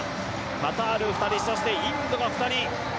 カタール２人、インドが２人。